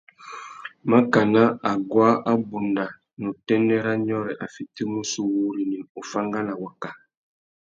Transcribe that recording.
Makana aguá abunda, ná utênê râ nyôrê a fitimú sú wúrrini, uffangana; waka.